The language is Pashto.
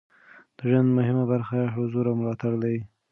د ژوند مهمه برخه حضور او ملاتړ دی.